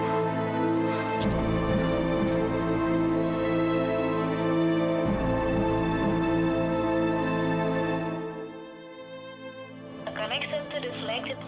koneksi dengan nomor yang tidak dikenal